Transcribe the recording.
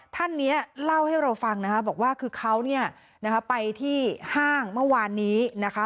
ท่านนี้เล่าให้เราฟังนะคะบอกว่าคือเขาเนี่ยนะคะไปที่ห้างเมื่อวานนี้นะคะ